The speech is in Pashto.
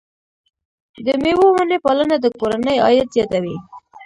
د مېوو ونې پالنه د کورنۍ عاید زیاتوي.